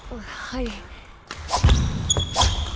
はい。